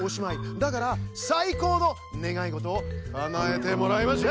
だからさいこうのねがいごとをかなえてもらいましょう。